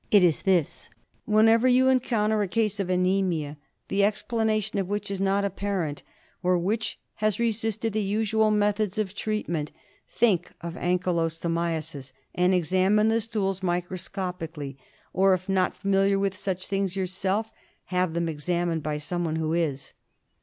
It is this — whenever you encounter a case of anaemia, the explanation of which is not apparent, or which has resisted the usual methods of treatment, think of Ankylostomiasis and examine the stools micro scopically ; or, if not familiar with such things yourself, have them examined by someone who is.